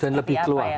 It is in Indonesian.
dan lebih keluar